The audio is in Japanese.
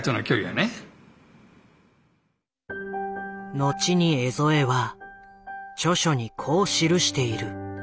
のちに江副は著書にこう記している。